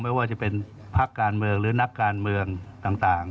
ไม่ว่าจะเป็นพักการเมืองหรือนักการเมืองต่าง